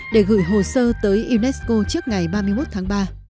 để gửi hồ sơ tới unesco trước ngày ba mươi một tháng ba